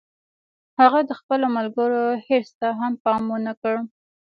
هغه د خپلو ملګرو حرص ته هم پام و نه کړ